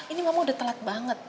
ini mama udah telat banget